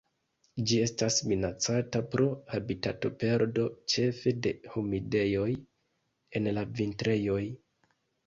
Ĝi estas minacata pro habitatoperdo, ĉefe de humidejoj en la vintrejoj.